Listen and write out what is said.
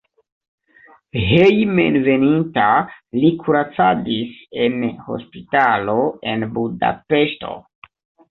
Hejmenveninta li kuracadis en hospitalo en Budapeŝto.